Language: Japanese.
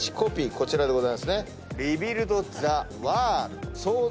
こちらでございますね。